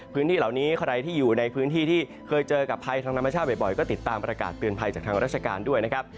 พื้นที่เหล่านี้ใครที่อยู่ในพื้นที่ที่เคยเจอกับภัยทางธรรมชาติบ่อยก็ติดตามประกาศเตือนภัยจากทางราชการด้วยนะครับ